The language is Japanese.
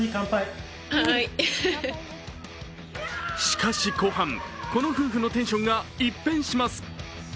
しかし後半、この夫婦のテンションが一変します。